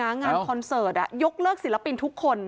งานคอนเสิร์ตยกเลิกศิลปินทุกคน